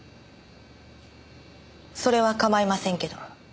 それは構いませんけど。